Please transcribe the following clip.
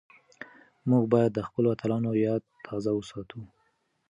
موږ بايد د خپلو اتلانو ياد تازه وساتو.